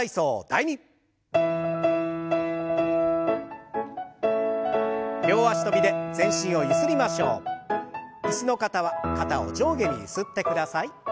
椅子の方は肩を上下にゆすってください。